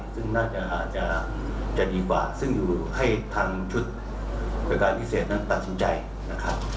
ซึ่งน่าจะอาจจะดีกว่าซึ่งอยู่ให้ทางชุดบริการพิเศษนั้นตัดสินใจนะครับ